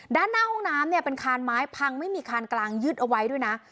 ด้านหน้าห้องน้ำเนี่ยเป็นคานไม้พังไม่มีคานกลางยึดเอาไว้ด้วยนะ